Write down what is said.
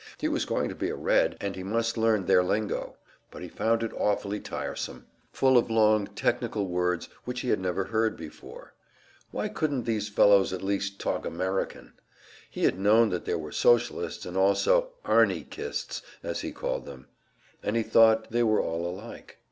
He was going to be a "Red," and he must learn their lingo; but he found it awfully tiresome, full of long technical words which he had never heard before. Why couldn't these fellows at least talk American? He had known that there were Socialists, and also "Arnychists," as he called them, and he thought they were all alike.